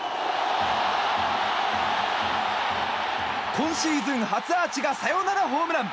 今シーズン初アーチがサヨナラホームラン！